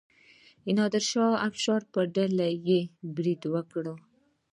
نادر شاه افشار په ډیلي برید وکړ.